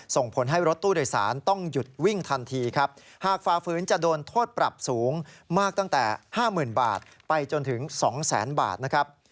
ส่งผลให้รถตู้โดยสารต้องหยุดวิ่งทันทีครับหากฝ่าฝืนจะโดนโทษปรับสูงมากตั้งแต่๕๐๐๐บาทไปจนถึงสองแสนบาทนะครับ